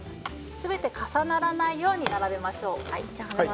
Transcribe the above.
すべて重ならないように並べましょう。